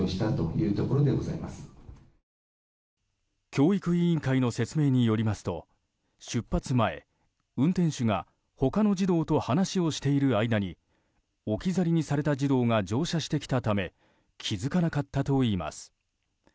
教育委員会の説明によりますと出発前、運転手が他の児童と話をしている間に置き去りにされた児童が乗車してきたため気づかなかったといいます。